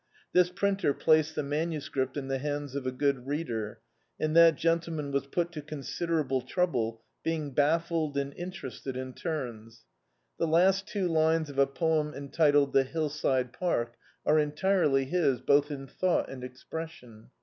This printer placed die MS. in the hands of a good reader, and that gentleman was put to considerable trouble, being baffled and interested in turns. The last two lines of a poem entitled "The hill side park" are entirely his, both in thought and expression.